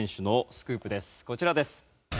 こちらです。